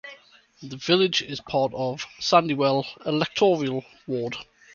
The village is part of 'Sandywell' electoral ward.